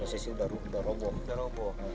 posisi sudah roboh